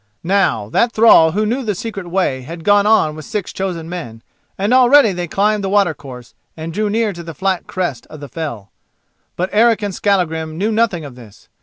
Now that thrall who knew the secret way had gone on with six chosen men, and already they climbed the watercourse and drew near to the flat crest of the fell. But Eric and Skallagrim knew nothing of this.